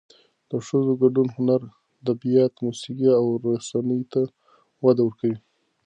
د ښځو ګډون هنر، ادبیات، موسیقي او رسنیو ته وده ورکوي.